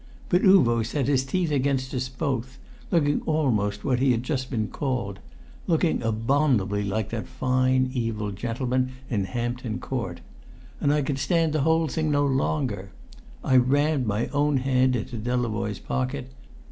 But Uvo set his teeth against us both, looking almost what he had just been called looking abominably like that fine evil gentleman in Hampton Court and I could stand the whole thing no longer. I rammed my own hand into Delavoye's pocket.